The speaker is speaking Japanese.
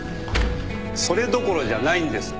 それどころじゃないんです。